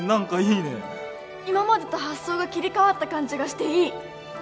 今までと発想が切り替わった感じがしていい！